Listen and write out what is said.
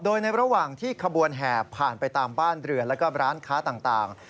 โดยในระหว่างที่ขบวนแห่ผ่านไปตามบ้านเรือนแล้วก็ร้านค้าต่าง